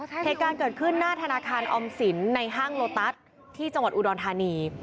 เหตุการณ์เกิดขึ้นหน้าธนาคารออมสินในห้างโลตัสที่จังหวัดอุดรธานี